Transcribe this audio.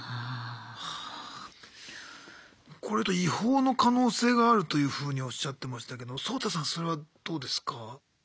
違法の可能性があるというふうにおっしゃってましたけどソウタさんそれはどうですか？